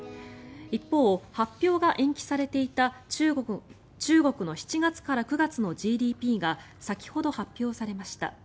一方、発表が延期されていた中国の７月から９月のＧＤＰが先ほど発表されました。